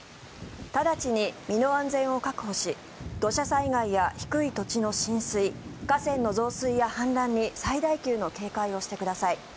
直ちに身の安全を確保し土砂災害や低い土地の浸水河川の増水や氾濫に最大級の警戒をしてください。